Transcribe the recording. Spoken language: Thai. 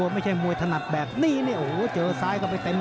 มวยถนัดแบบนี้เนี่ยโอ้โหเจอซ้ายเข้าไปเต็ม